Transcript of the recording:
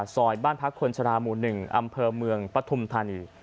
ซอยบ้านพักคนชราหมู่๑อำเภอเมืองปฐุมธานี